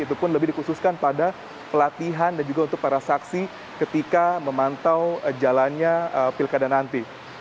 itu pun lebih dikhususkan pada pelatihan dan juga untuk para saksi ketika memantau jalannya pilkada nanti